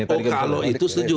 oh kalau itu setuju